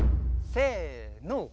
せの。